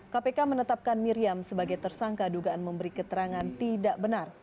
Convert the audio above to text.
kpk menetapkan miriam sebagai tersangka dugaan memberi keterangan tidak benar